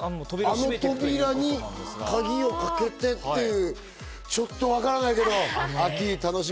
あの扉に鍵をかけてっていう、ちょっとわからないけど秋、楽しみ。